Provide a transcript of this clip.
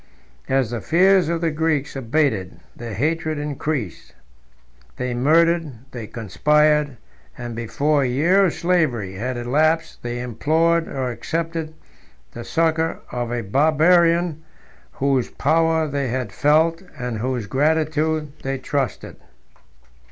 As the fears of the Greeks abated, their hatred increased. They murdered; they conspired; and before a year of slavery had elapsed, they implored, or accepted, the succor of a Barbarian, whose power they had felt, and whose gratitude they trusted.